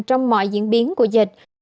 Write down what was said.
trong mọi diễn biến của dịch